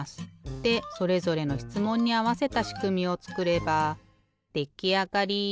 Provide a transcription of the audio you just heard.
でそれぞれのしつもんにあわせたしくみをつくればできあがり！